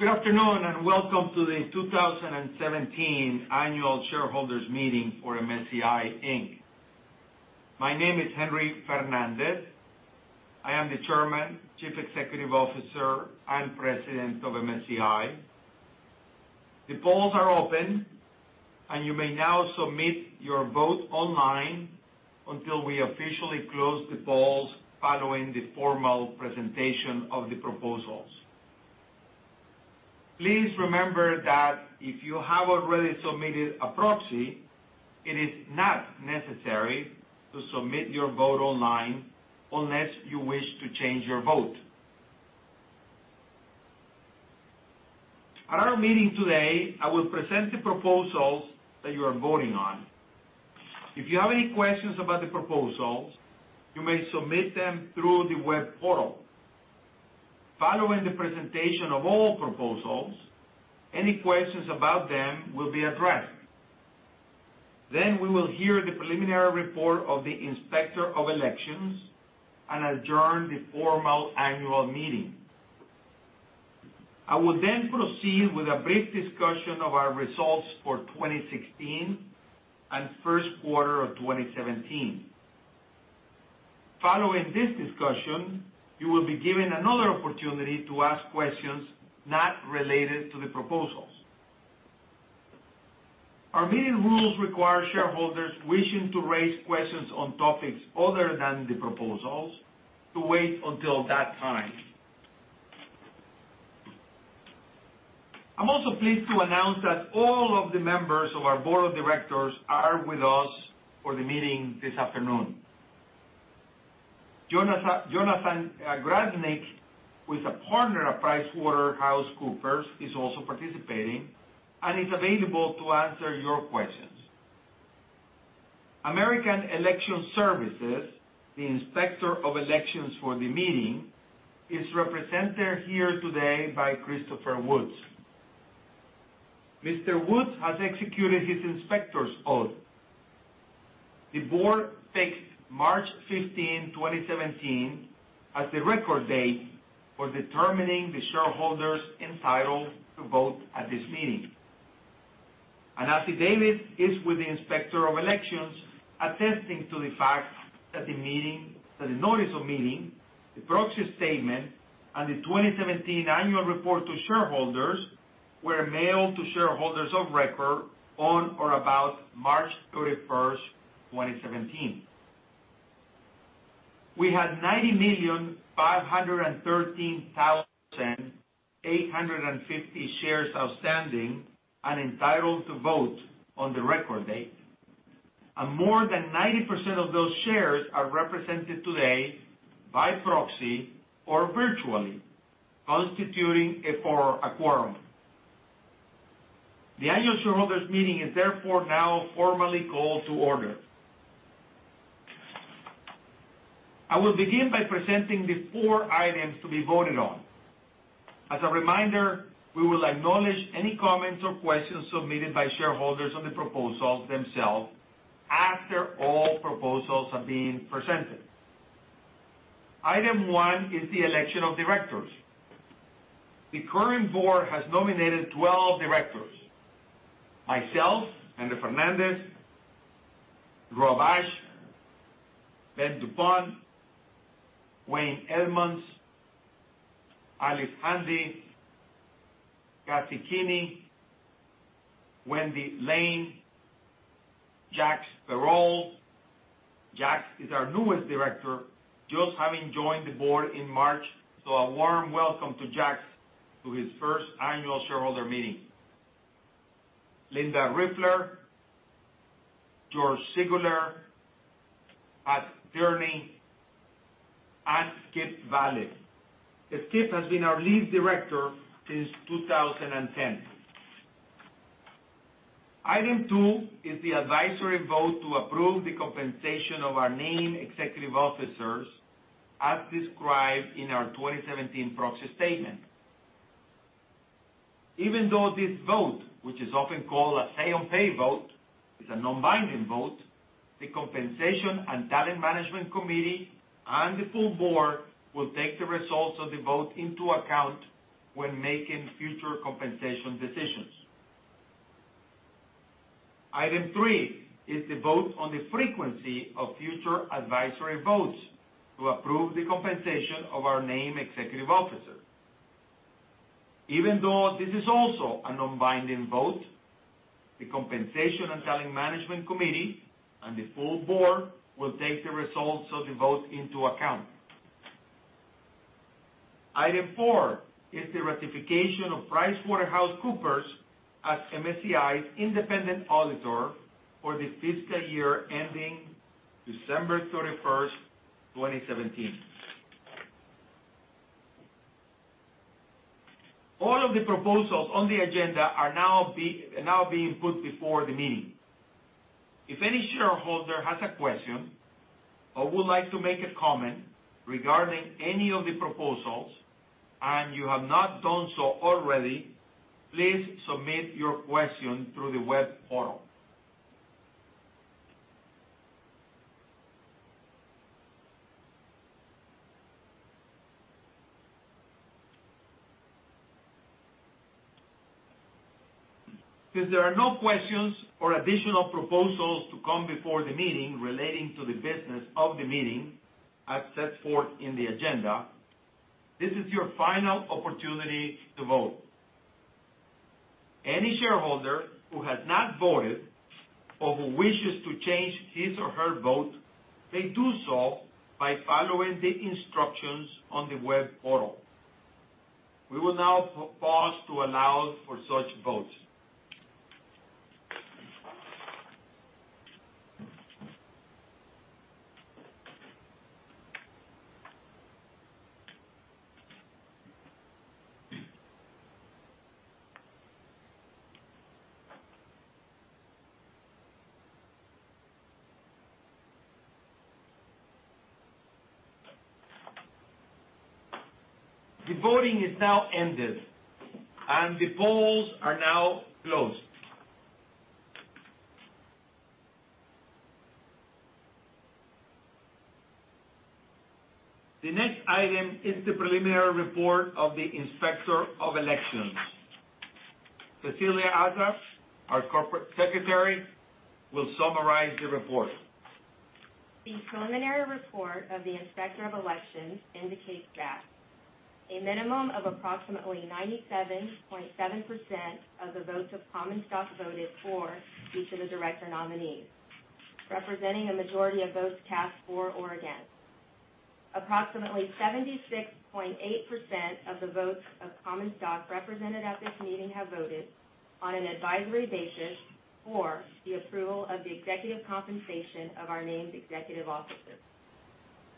Good afternoon, and welcome to the 2017 annual shareholders meeting for MSCI Inc. My name is Henry Fernandez. I am the Chairman, Chief Executive Officer, and President of MSCI. The polls are open, and you may now submit your vote online until we officially close the polls following the formal presentation of the proposals. Please remember that if you have already submitted a proxy, it is not necessary to submit your vote online unless you wish to change your vote. At our meeting today, I will present the proposals that you are voting on. If you have any questions about the proposals, you may submit them through the web portal. Following the presentation of all proposals, any questions about them will be addressed. We will hear the preliminary report of the Inspector of Elections and adjourn the formal annual meeting. I will then proceed with a brief discussion of our results for 2016 and first quarter of 2017. Following this discussion, you will be given another opportunity to ask questions not related to the proposals. Our meeting rules require shareholders wishing to raise questions on topics other than the proposals to wait until that time. I am also pleased to announce that all of the members of our board of directors are with us for the meeting this afternoon. Jonathan Gralnick, who is a partner at PricewaterhouseCoopers, is also participating and is available to answer your questions. American Election Services, the Inspector of Elections for the meeting, is represented here today by Christopher Woods. Mr. Woods has executed his inspector's oath. The board fixed March 15, 2017, as the record date for determining the shareholders entitled to vote at this meeting. An affidavit is with the Inspector of Elections attesting to the fact that the notice of meeting, the proxy statement, and the 2017 Annual Report to Shareholders were mailed to shareholders of record on or about March 31st, 2017. We had 90,513,850 shares outstanding and entitled to vote on the record date, and more than 90% of those shares are represented today by proxy or virtually constituting a quorum. The annual shareholders meeting is therefore now formally called to order. I will begin by presenting the four items to be voted on. As a reminder, we will acknowledge any comments or questions submitted by shareholders on the proposals themselves after all proposals have been presented. Item one is the election of directors. The current board has nominated 12 directors. Myself, Henry Fernandez, Rob Ashe, Ben duPont, Wayne Edmunds, Alice Handy, Kathy Kinney, Wendy Lane, Jacques Perold. Jacques is our newest director, just having joined the board in March, so a warm welcome to Jacques to his first annual shareholder meeting. Linda Riefler, George Siguler, Pat Tierney, and Skip Vallee. Skip has been our lead director since 2010. Item two is the advisory vote to approve the compensation of our named executive officers as described in our 2017 proxy statement. Even though this vote, which is often called a say on pay vote, is a non-binding vote, the Compensation and Talent Management Committee and the full board will take the results of the vote into account when making future compensation decisions. Item three is the vote on the frequency of future advisory votes to approve the compensation of our named executive officers. Even though this is also a non-binding vote, the Compensation and Talent Management Committee and the full board will take the results of the vote into account. Item four is the ratification of PricewaterhouseCoopers as MSCI's independent auditor for the fiscal year ending December 31st, 2017. All of the proposals on the agenda are now being put before the meeting. If any shareholder has a question or would like to make a comment regarding any of the proposals, and you have not done so already, please submit your question through the web portal. Since there are no questions or additional proposals to come before the meeting relating to the business of the meeting as set forth in the agenda, this is your final opportunity to vote. Any shareholder who has not voted or who wishes to change his or her vote, may do so by following the instructions on the web portal. We will now pause to allow for such votes. The voting is now ended, and the polls are now closed. The next item is the preliminary report of the Inspector of Elections. Cecilia Aza, our Corporate Secretary, will summarize the report. The preliminary report of the Inspector of Elections indicates that a minimum of approximately 97.7% of the votes of common stock voted for each of the director nominees, representing a majority of votes cast for or against. Approximately 76.8% of the votes of common stock represented at this meeting have voted on an advisory basis for the approval of the executive compensation of our named executive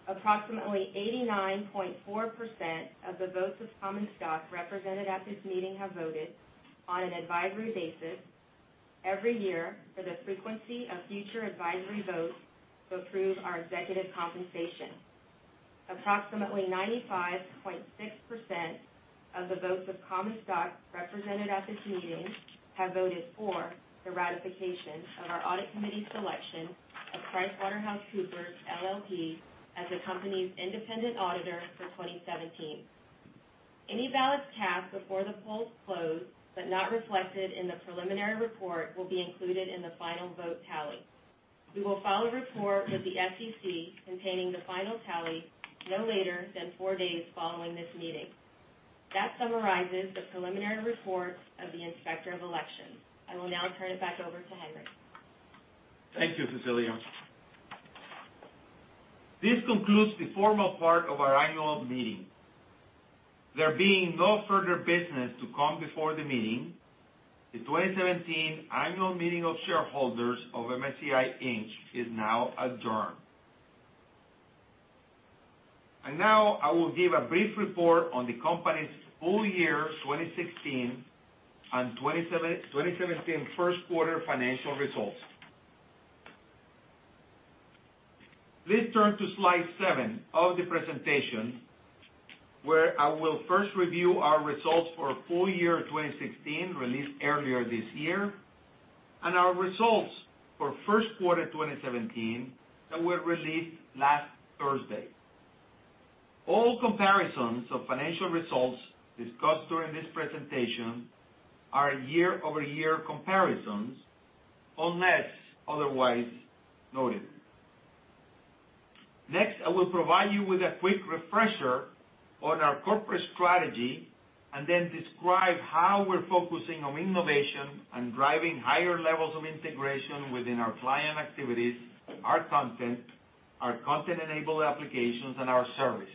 officers. Approximately 89.4% of the votes of common stock represented at this meeting have voted on an advisory basis every year for the frequency of future advisory votes to approve our executive compensation. Approximately 95.6% of the votes of common stock represented at this meeting have voted for the ratification of our audit committee selection of PricewaterhouseCoopers LLP, as the company's independent auditor for 2017. Any ballots cast before the polls closed but not reflected in the preliminary report will be included in the final vote tally. We will file a report with the SEC containing the final tally no later than four days following this meeting. That summarizes the preliminary report of the Inspector of Elections. I will now turn it back over to Henry. Thank you, Cecilia. This concludes the formal part of our Annual Meeting. There being no further business to come before the meeting, the 2017 Annual Meeting of Shareholders of MSCI Inc. is now adjourned. Now, I will give a brief report on the company's full year 2016 and 2017 first quarter financial results. Please turn to slide seven of the presentation, where I will first review our results for full year 2016, released earlier this year, and our results for first quarter 2017, that were released last Thursday. All comparisons of financial results discussed during this presentation are year-over-year comparisons, unless otherwise noted. Next, I will provide you with a quick refresher on our corporate strategy, then describe how we're focusing on innovation and driving higher levels of integration within our client activities, our content, our content-enabled applications, and our services.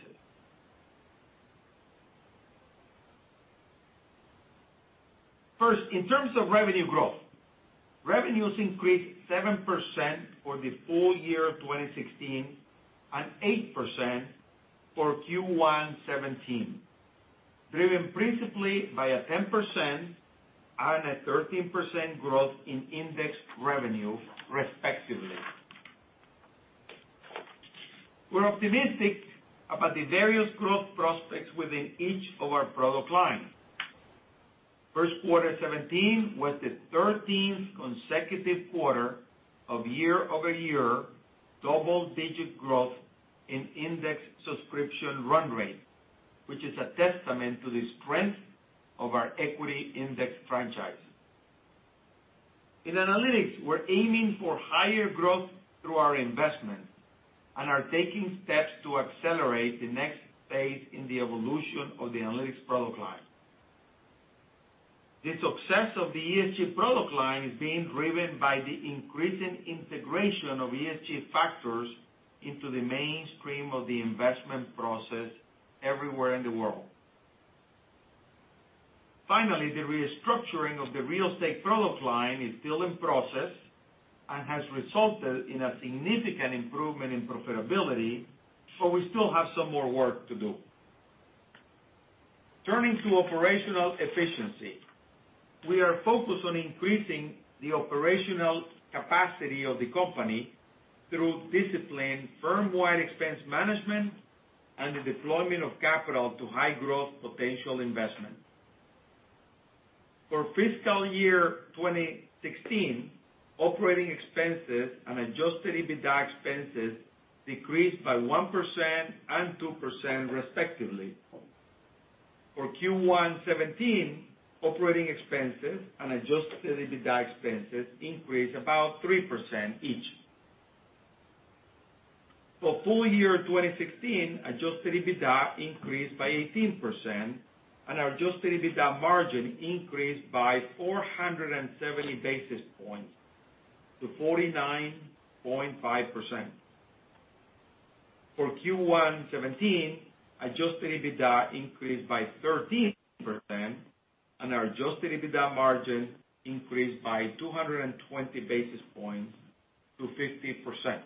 First, in terms of revenue growth, revenues increased 7% for the full year of 2016 and 8% for Q1 2017, driven principally by a 10% and a 13% growth in index revenue, respectively. We're optimistic about the various growth prospects within each of our product lines. First quarter 2017 was the 13th consecutive quarter of year-over-year double-digit growth in index subscription run rate, which is a testament to the strength of our equity index franchise. In analytics, we're aiming for higher growth through our investments and are taking steps to accelerate the next phase in the evolution of the analytics product line. The success of the ESG product line is being driven by the increasing integration of ESG factors into the mainstream of the investment process everywhere in the world. Finally, the restructuring of the real estate product line is still in process and has resulted in a significant improvement in profitability, we still have some more work to do. Turning to operational efficiency, we are focused on increasing the operational capacity of the company through disciplined firm-wide expense management and the deployment of capital to high-growth potential investment. For fiscal year 2016, operating expenses and adjusted EBITDA expenses decreased by 1% and 2% respectively. For Q1 2017, operating expenses and adjusted EBITDA expenses increased about 3% each. For full year 2016, adjusted EBITDA increased by 18%, and our adjusted EBITDA margin increased by 470 basis points to 49.5%. For Q1 2017, adjusted EBITDA increased by 13%, and our adjusted EBITDA margin increased by 220 basis points to 50%.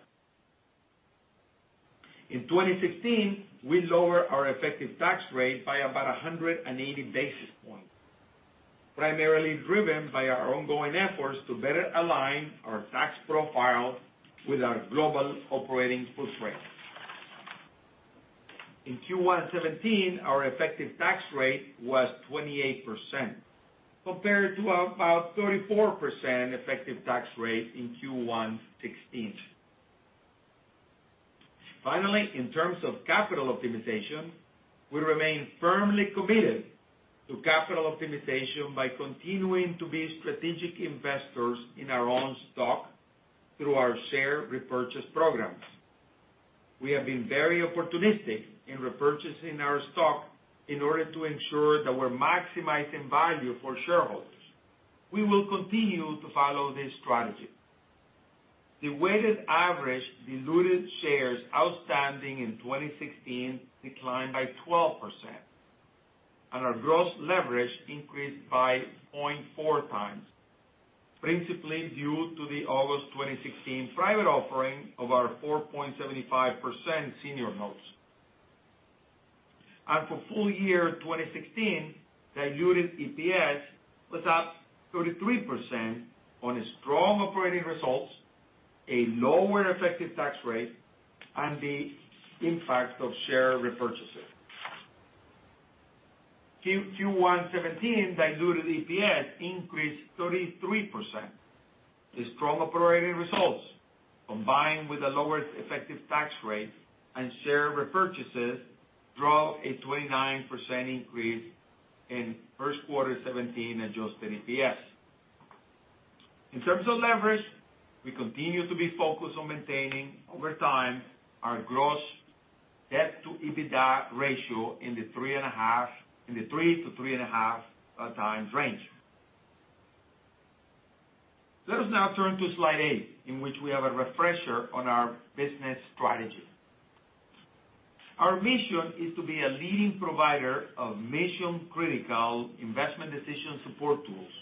In 2016, we lowered our effective tax rate by about 180 basis points, primarily driven by our ongoing efforts to better align our tax profile with our global operating footprint. In Q1 2017, our effective tax rate was 28%, compared to about 34% effective tax rate in Q1 2016. Finally, in terms of capital optimization, we remain firmly committed to capital optimization by continuing to be strategic investors in our own stock through our share repurchase programs. We have been very opportunistic in repurchasing our stock in order to ensure that we're maximizing value for shareholders. We will continue to follow this strategy. The weighted average diluted shares outstanding in 2016 declined by 12%, and our gross leverage increased by 0.4x, principally due to the August 2016 private offering of our 4.75% senior notes. For full year 2016, diluted EPS was up 33% on strong operating results, a lower effective tax rate, and the impact of share repurchases. Q1 2017 diluted EPS increased 33%. The strong operating results, combined with a lower effective tax rate and share repurchases, drove a 29% increase in first quarter 2017 adjusted EPS. In terms of leverage, we continue to be focused on maintaining, over time, our gross debt to EBITDA ratio in the 3 to 3.5 times range. Let us now turn to slide eight, in which we have a refresher on our business strategy. Our mission is to be a leading provider of mission-critical investment decision support tools.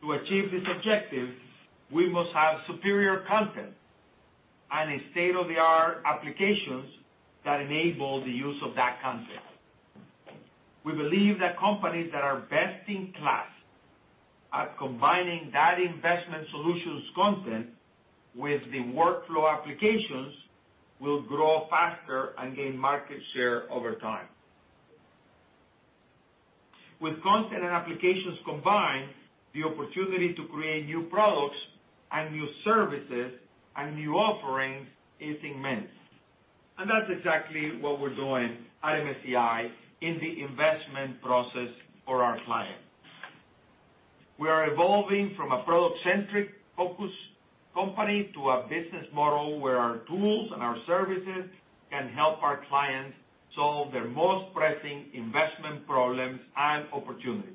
To achieve this objective, we must have superior content and state-of-the-art applications that enable the use of that content. We believe that companies that are best in class at combining that investment solutions content with the workflow applications will grow faster and gain market share over time. With content and applications combined, the opportunity to create new products and new services and new offerings is immense. That's exactly what we're doing at MSCI in the investment process for our clients. We are evolving from a product-centric-focused company to a business model where our tools and our services can help our clients solve their most pressing investment problems and opportunities.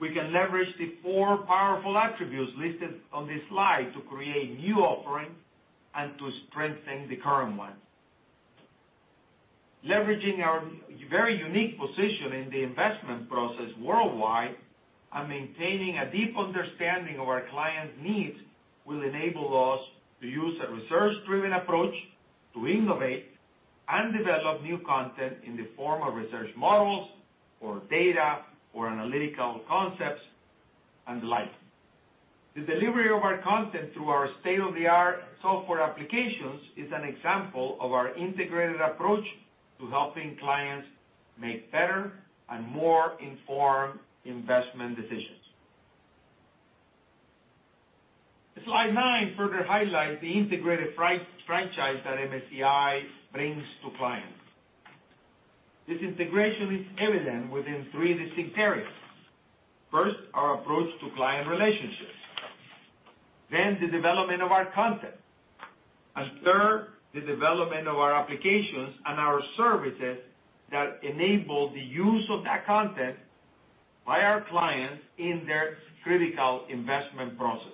We can leverage the four powerful attributes listed on this slide to create new offerings and to strengthen the current ones. Leveraging our very unique position in the investment process worldwide and maintaining a deep understanding of our clients' needs will enable us to use a research-driven approach to innovate and develop new content in the form of research models or data or analytical concepts and the like. The delivery of our content through our state-of-the-art software applications is an example of our integrated approach to helping clients make better and more informed investment decisions. Slide nine further highlights the integrated franchise that MSCI brings to clients. This integration is evident within three distinct areas. First, our approach to client relationships. The development of our content. Third, the development of our applications and our services that enable the use of that content by our clients in their critical investment processes.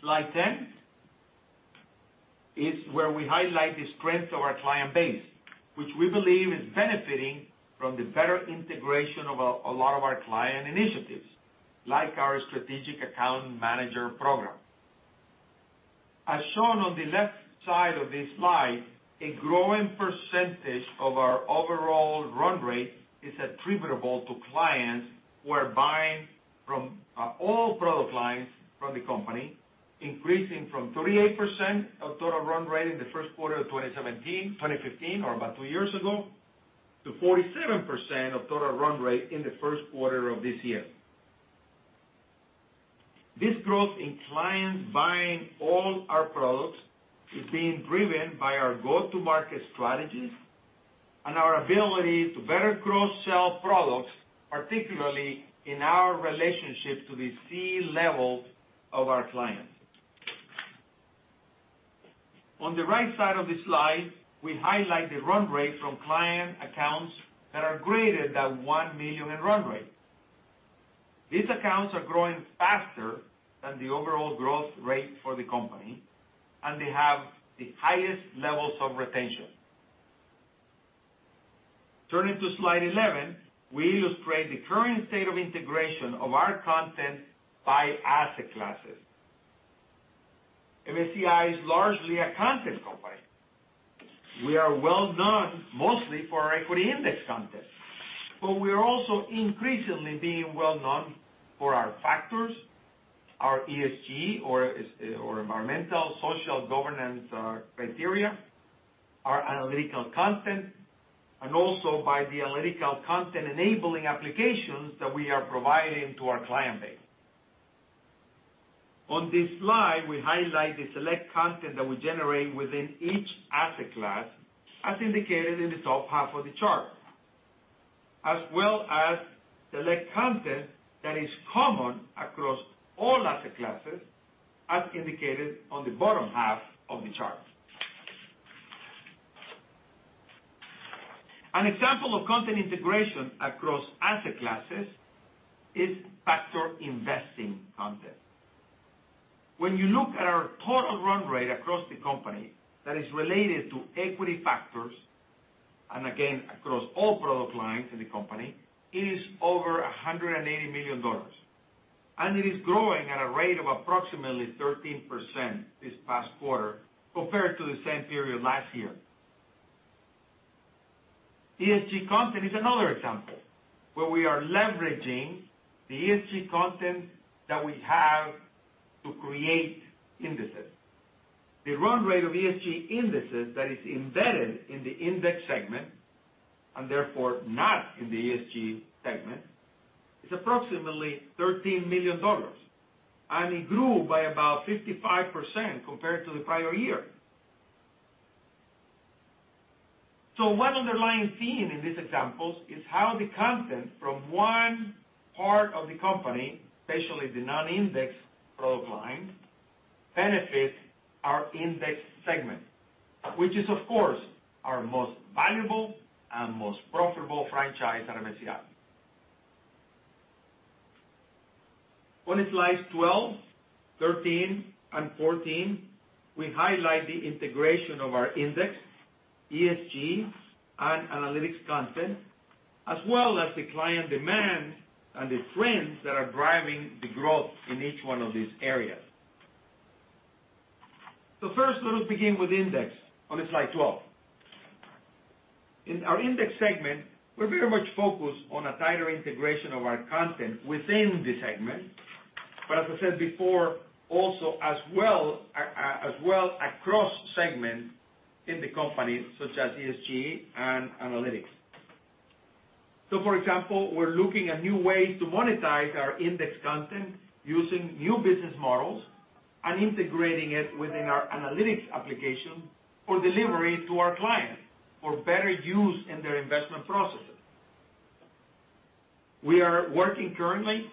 Slide 10 is where we highlight the strength of our client base, which we believe is benefiting from the better integration of a lot of our client initiatives, like our strategic account manager program. As shown on the left side of this slide, a growing percentage of our overall run rate is attributable to clients who are buying from all product lines from the company, increasing from 38% of total run rate in the first quarter of 2015, or about two years ago, to 47% of total run rate in the first quarter of this year. This growth in clients buying all our products is being driven by our go-to-market strategies and our ability to better cross-sell products, particularly in our relationships to the C-levels of our clients. On the right side of the slide, we highlight the run rate from client accounts that are greater than $1 million in run rate. These accounts are growing faster than the overall growth rate for the company, and they have the highest levels of retention. Turning to slide 11, we illustrate the current state of integration of our content by asset classes. MSCI is largely a content company. We are well known mostly for our equity index content, but we are also increasingly being well known for our factors, our ESG, or environmental social governance criteria, our analytical content, and also by the analytical content-enabling applications that we are providing to our client base. On this slide, we highlight the select content that we generate within each asset class, as indicated in the top half of the chart, as well as select content that is common across all asset classes, as indicated on the bottom half of the chart. An example of content integration across asset classes is factor investing content. When you look at our total run rate across the company that is related to equity factors, and again, across all product lines in the company, it is over $180 million. It is growing at a rate of approximately 13% this past quarter compared to the same period last year. ESG content is another example where we are leveraging the ESG content that we have to create indices. The run rate of ESG indices that is embedded in the index segment, and therefore not in the ESG segment, is approximately $13 million, and it grew by about 55% compared to the prior year. One underlying theme in these examples is how the content from one part of the company, especially the non-index product line, benefits our index segment, which is, of course, our most valuable and most profitable franchise at MSCI. On slides 12, 13, and 14, we highlight the integration of our index, ESG and analytics content, as well as the client demand and the trends that are driving the growth in each one of these areas. First, let us begin with index on slide 12. In our index segment, we're very much focused on a tighter integration of our content within the segment, but as I said before, also as well across segments in the company, such as ESG and analytics. For example, we're looking at new ways to monetize our index content using new business models and integrating it within our analytics application for delivery to our clients for better use in their investment processes. We are working currently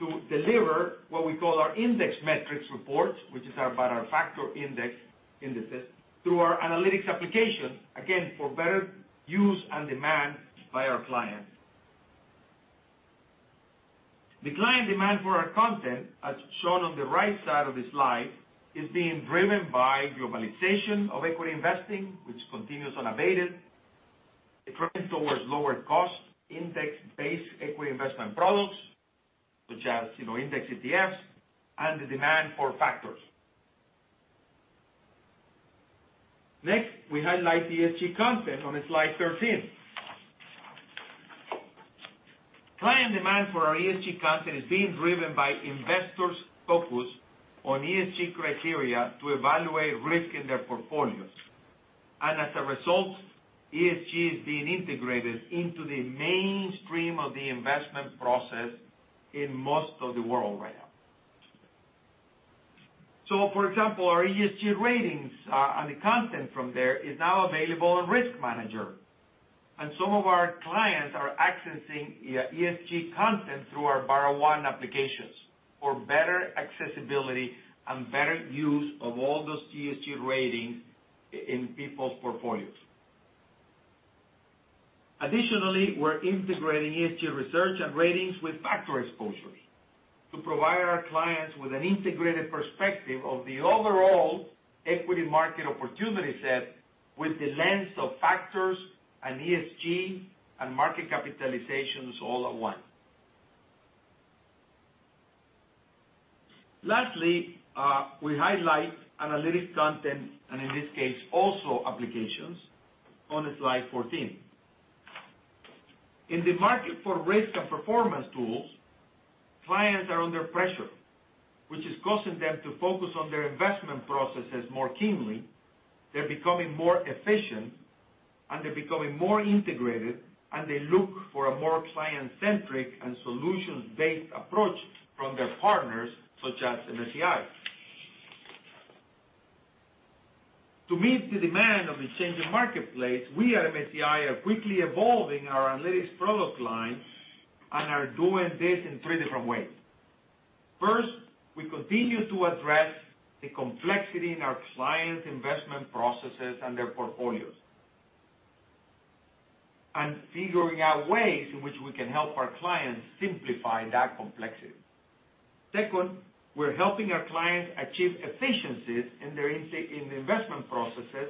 to deliver what we call our index metrics reports, which is about our factor indices, through our analytics applications, again, for better use and demand by our clients. The client demand for our content, as shown on the right side of the slide, is being driven by globalization of equity investing, which continues unabated, a trend towards lower cost index-based equity investment products, such as index ETFs, and the demand for factors. Next, we highlight ESG content on slide 13. Client demand for our ESG content is being driven by investors' focus on ESG criteria to evaluate risk in their portfolios. As a result, ESG is being integrated into the mainstream of the investment process in most of the world right now. For example, our ESG ratings, and the content from there, is now available on RiskManager, and some of our clients are accessing ESG content through our BarraOne applications for better accessibility and better use of all those ESG ratings in people's portfolios. Additionally, we're integrating ESG research and ratings with factor exposures to provide our clients with an integrated perspective of the overall equity market opportunity set with the lens of factors and ESG and market capitalizations all at once. Lastly, we highlight analytics content, and in this case also applications, on slide 14. In the market for risk and performance tools, clients are under pressure, which is causing them to focus on their investment processes more keenly. They're becoming more efficient, they're becoming more integrated, and they look for a more client-centric and solutions-based approach from their partners, such as MSCI. To meet the demand of the changing marketplace, we at MSCI are quickly evolving our analytics product line and are doing this in three different ways. First, we continue to address the complexity in our clients' investment processes and their portfolios and figuring out ways in which we can help our clients simplify that complexity. Second, we're helping our clients achieve efficiencies in their investment processes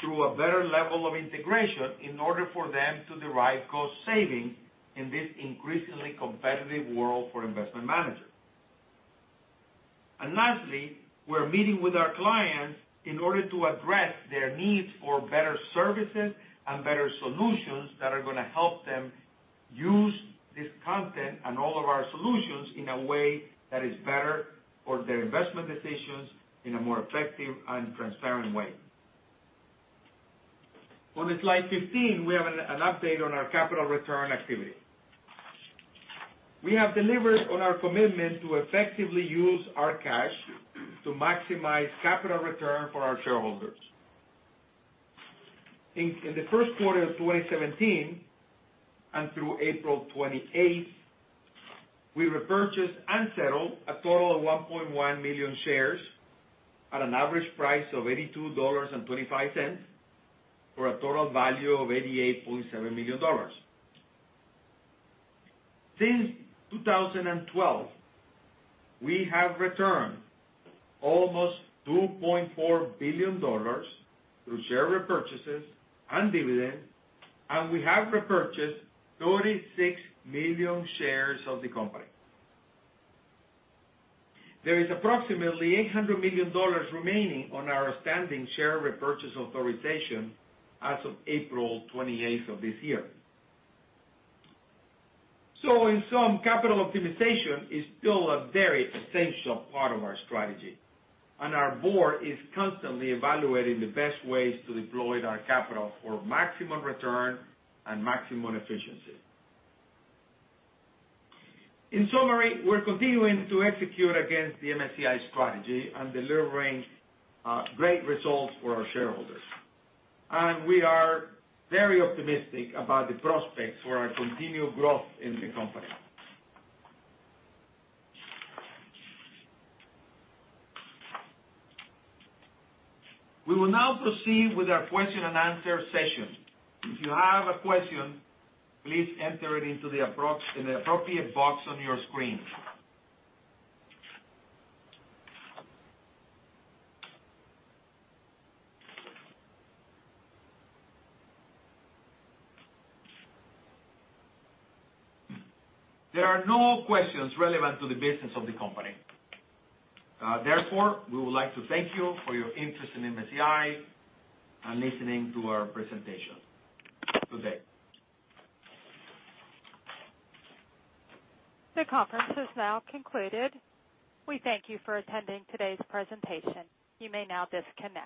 through a better level of integration in order for them to derive cost savings in this increasingly competitive world for investment managers. Lastly, we're meeting with our clients in order to address their needs for better services and better solutions that are going to help them use this content and all of our solutions in a way that is better for their investment decisions in a more effective and transparent way. On slide 15, we have an update on our capital return activity. We have delivered on our commitment to effectively use our cash to maximize capital return for our shareholders. In the first quarter of 2017, and through April 28th, we repurchased and settled a total of 1.1 million shares at an average price of $82.25 for a total value of $88.7 million. Since 2012, we have returned almost $2.4 billion through share repurchases and dividends, and we have repurchased 36 million shares of the company. There is approximately $800 million remaining on our standing share repurchase authorization as of April 28th of this year. In sum, capital optimization is still a very essential part of our strategy, and our board is constantly evaluating the best ways to deploy our capital for maximum return and maximum efficiency. In summary, we're continuing to execute against the MSCI strategy and delivering great results for our shareholders. We are very optimistic about the prospects for our continued growth in the company. We will now proceed with our question and answer session. If you have a question, please enter it into the appropriate box on your screen. There are no questions relevant to the business of the company. Therefore, we would like to thank you for your interest in MSCI and listening to our presentation today. The conference is now concluded. We thank you for attending today's presentation. You may now disconnect.